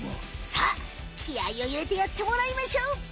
さあきあいをいれてやってもらいましょう。